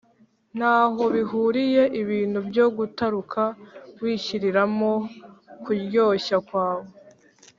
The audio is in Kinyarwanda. ntaho bihuriye! ibintu byo gutaruka wishyiriramo kuryoshya kwawe,